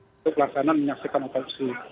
untuk laksanan menyaksikan otopsi